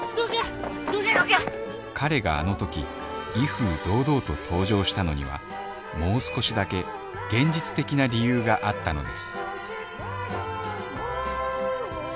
彼があの時威風堂々と登場したのにはもう少しだけ現実的な理由があったのです